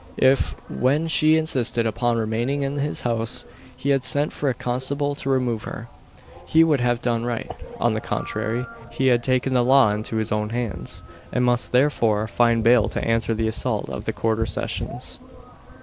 If, when she insisted upon remaining in his house, he had sent for a constable to remove her, he would have done right. On the contrary, he had taken the law into his own hands, and must therefore find bail to answer the assault at the Quarter Sessions.